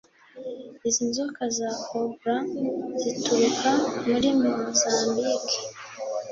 Izi nzoka za Cobra zituruka muri Mozambike